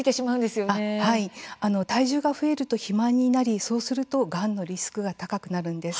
体重が増えると肥満になりそうするとがんのリスクが高まるんです。